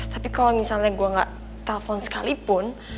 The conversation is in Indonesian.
tapi kalau misalnya gue gak telpon sekalipun